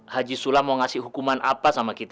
haji sula mau ngasih hukuman apa sama kita